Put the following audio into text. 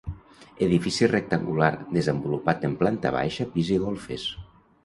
Edifici rectangular, desenvolupat en planta baixa, pis i golfes.